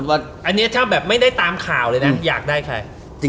อันนี้ถ้าแบบไม่ได้ตามข่าวเลยนะอยากได้ใคร